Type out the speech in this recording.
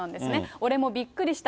俺もびっくりした。